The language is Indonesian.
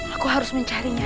aku harus mencarinya